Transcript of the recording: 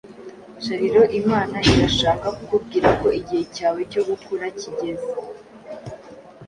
Sharilo, Imana irashaka kukubwira ko igihe cyawe cyo gukura cyigeze